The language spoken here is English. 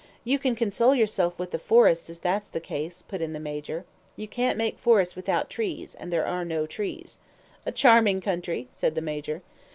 "You can console yourself with the forests if that's the case," put in the Major. "You can't make forests without trees, and there are no trees." "A charming country!" said the Major.